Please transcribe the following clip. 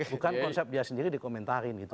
bukan konsep dia sendiri dikomentarin gitu